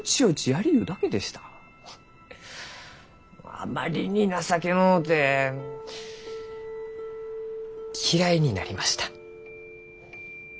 あまりに情けのうて嫌いになりました。